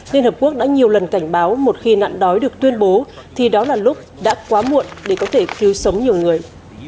liên hợp quốc đã nhiều lần cảnh báo một khi nạn đói được tuyên bố thì đó là lúc đã quá muộn để có thể cứu sống nhiều người